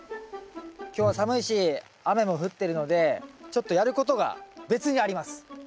今日は寒いし雨も降ってるのでちょっとやることが別にあります。